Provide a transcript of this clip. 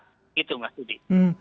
gitu mas judi